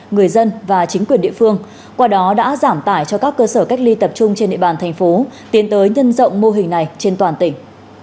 người dân và chính quyền địa phương qua đó đã giảm tải cho các cơ sở cách ly tập trung trên địa bàn thành phố tiến tới nhân rộng mô hình này trên toàn tỉnh